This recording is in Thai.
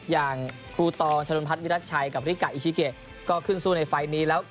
อย่างครูตองชะลุนพัฒนวิรัติชัยกับริกะอิชิเกะก็ขึ้นสู้ในไฟล์นี้แล้ว